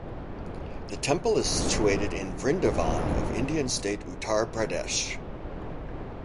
The temple is situated in Vrindavan of Indian state Uttar Pradesh.